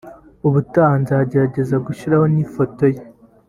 ubutaha nzagerageza gushyiraho n’ifoto ye